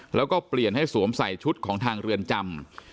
แล้วก็เปลี่ยนให้สวมใส่ชุดของทางเรือนจำ